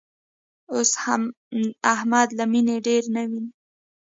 اوس احمد له مینې ډېر نه ویني.